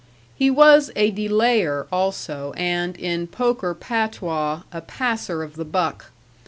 He was a delayer also and, in poker patois, a passer of the buck.